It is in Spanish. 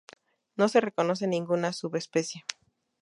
No se reconoce ninguna subespecie.